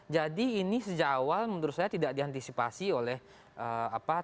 jadi ini sejauh menurut saya tidak diantisipasi oleh tpn